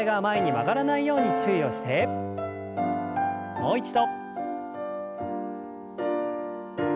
もう一度。